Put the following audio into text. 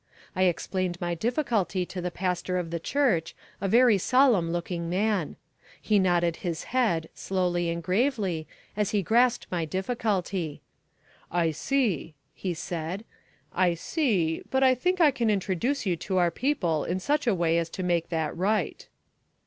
I explained my difficulty to the pastor of the church, a very solemn looking man. He nodded his head, slowly and gravely, as he grasped my difficulty. "I see," he said, "I see, but I think that I can introduce you to our people in such a way as to make that right."